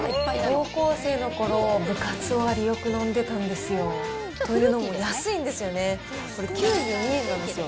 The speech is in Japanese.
高校生のころ、部活終わりよく飲んでたんですよ。というのも安いんですよね、これ９２円なんですよ。